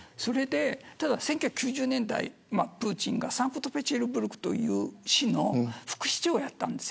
１９９０年代にプーチンがサンクトペテルブルクという市の副市長やったんです。